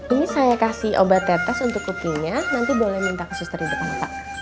ini saya kasih obat tetes untuk lukinya nanti boleh minta ke suster di depan pak